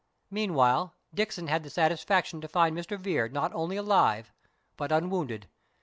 Meantime, Dixon had the satisfaction to find Mr. Vere not only alive, but unwounded.